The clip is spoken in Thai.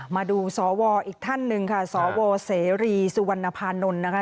มาดูสวอีกท่านหนึ่งค่ะสวเสรีสุวรรณภานนท์นะคะ